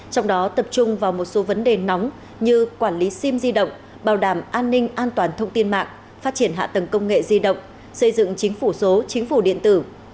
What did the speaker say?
trong đó tập trung vào một số vấn đề nóng như quản lý sim di động bảo đảm an ninh an toàn thông tin mạng phát triển hạ tầng công nghệ di động xây dựng chính phủ số chính phủ điện tử